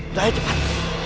udah ya cepat